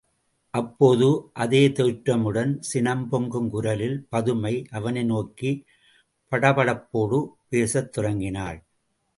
அப்போது அதே தோற்றமுடன், சினம் பொங்கும் குரலில் பதுமை அவனை நோக்கிப் படபடப்போடு பேசத் தொடங்கினாள்.